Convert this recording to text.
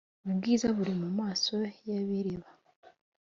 ubwiza buri mumaso yabireba